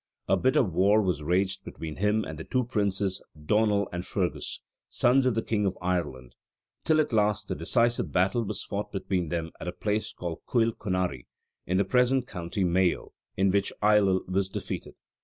A bitter war was waged between him and the two princes Donall and Fergus, sons of the king of Ireland, till at last a decisive battle was fought between them at a place called Cúil Conari, in the present county Mayo, in which Ailill was defeated.